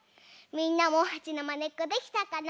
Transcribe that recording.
みんなもはちのまねっこできたかな？